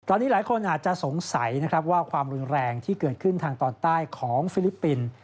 ตอนนี้หลายคนอาจจะสงสัยนะครับว่าความรุนแรงที่เกิดขึ้นทางตอนใต้ของฟิลิปปินส์